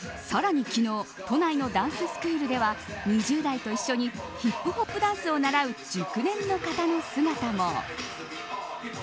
さらに昨日都内のダンススクールでは２０代と一緒にヒップホップダンスを習う熟年の方の姿も。